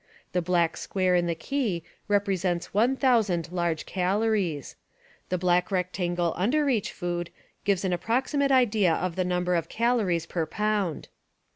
The black square in the key represents one thousand large calories. The black rectangle under each food gives an approximate idea Food of the number of calories per pound.